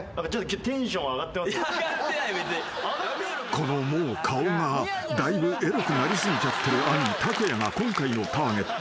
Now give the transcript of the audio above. ［このもう顔がだいぶエロくなり過ぎちゃってる兄卓也が今回のターゲット］